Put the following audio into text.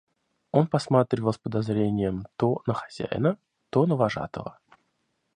Он посматривал с подозрением то на хозяина, то на вожатого.